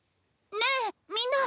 ねえみんな。